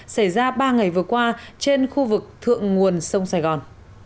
xảy ra ba ngày vừa qua trên khu vực thượng nguồn sông sài gòn